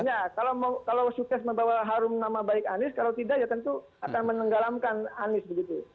kalau sukses membawa harum nama baik anis kalau tidak ya tentu akan menenggelamkan anis begitu